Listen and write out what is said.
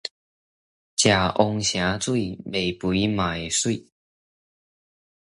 食王城水，未肥也會媠